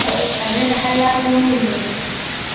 هغې د حل لاره وموندله.